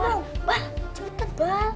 bal cepetan bal